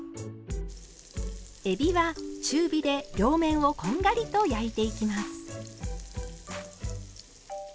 えびは中火で両面をこんがりと焼いていきます。